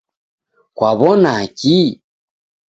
Kwaw'onaki?